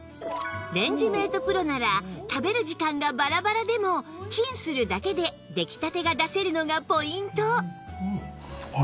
レンジメート ＰＲＯ なら食べる時間がバラバラでもチンするだけで出来たてが出せるのがポイント